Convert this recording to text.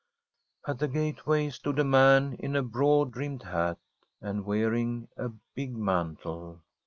At the gateway stood a man in a broad brimmed hat, and wearing a big mantle.